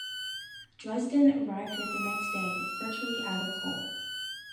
"Dresden" arrived there the next day, virtually out of coal.